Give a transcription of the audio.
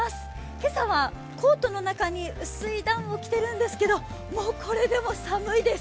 今朝はコートの中に薄いダウンを着てるんですけどもうこれでも寒いです。